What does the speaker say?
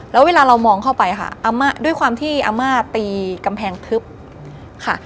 แล้วเวลาเรามองเข้าไปค่ะอาม่าด้วยความที่อาม่าตีกำแพงทึบค่ะ